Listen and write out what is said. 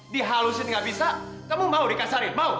dihalusin gak bisa kamu mau dikasarin mau hah